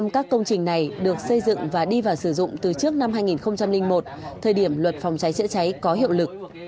một trăm linh các công trình này được xây dựng và đi vào sử dụng từ trước năm hai nghìn một thời điểm luật phòng cháy chữa cháy có hiệu lực